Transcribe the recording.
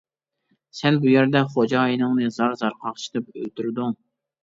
سەن بۇ يەردە خوجايىنىڭنى زار-زار قاقشىتىپ ئۆلتۈردۈڭ.